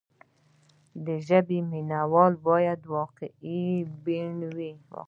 د ژبې مینه وال باید واقع بین وي.